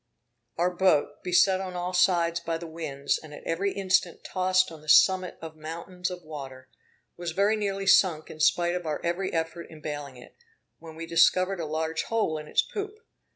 Our boat, beset on all sides by the winds, and at every instant tossed on the summit of mountains of water, was very nearly sunk in spite of our every effort in baling it, when we discovered a large hole in its poop.